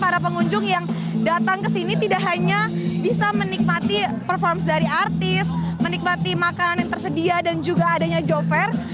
para pengunjung yang datang ke sini tidak hanya bisa menikmati performance dari artis menikmati makanan yang tersedia dan juga adanya job fair